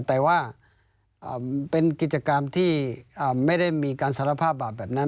แต่ว่าเป็นกิจกรรมที่ไม่ได้มีการสารภาพบาปแบบนั้น